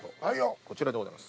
こちらでございます。